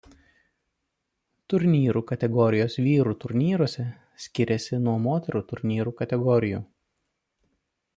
Turnyrų kategorijos vyrų turnyruose skiriasi nuo moterų turnyrų kategorijų.